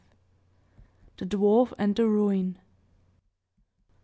THE DWARF AND THE RUIN.